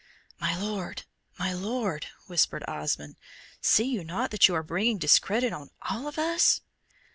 "My Lord, my Lord," whispered Osmond, "see you not that you are bringing discredit on all of us?"